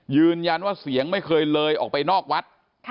ยืนยันว่าเสียงไม่เคยเลยออกไปนอกวัด